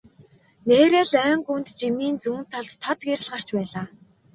Нээрээ л ойн гүнд жимийн зүүн талд тод гэрэл гарч байлаа.